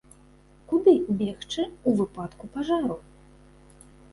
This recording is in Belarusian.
Куды бегчы ў выпадку пажару?